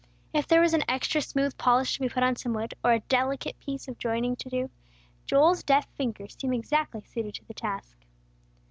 If there was an extra smooth polish to be put on some wood, or a delicate piece of joining to do, Joel's deft fingers seemed exactly suited to the task.